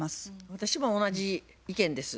私も同じ意見です。